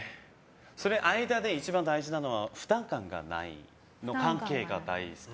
一番大事なのが負担感がない関係が大好き。